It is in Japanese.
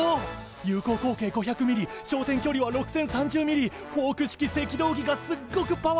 有効口径５００ｍｍ焦点距離は６，０３０ｍｍフォーク式赤道儀がすっごくパワフルだ！